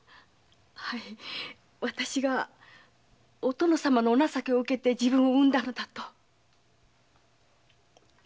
私がお殿様のお情けを受けて自分を生んだのだと。